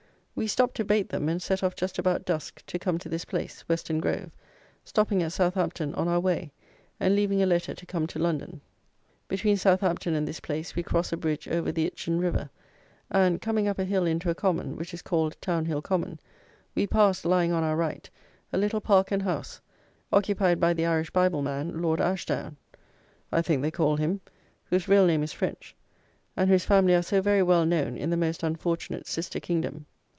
We stopped to bait them, and set off just about dusk to come to this place (Weston Grove), stopping at Southampton on our way, and leaving a letter to come to London. Between Southampton and this place, we cross a bridge over the Itchen river, and, coming up a hill into a common, which is called Town hill Common, we passed, lying on our right, a little park and house, occupied by the Irish Bible man, Lord Ashdown, I think they call him, whose real name is French, and whose family are so very well known in the most unfortunate sister kingdom.